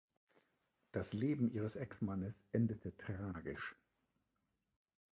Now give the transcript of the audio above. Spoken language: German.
Das Leben ihres Ex-Mannes endete tragisch.